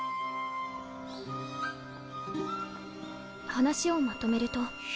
話をまとめると。